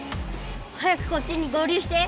早くこっちに合流して。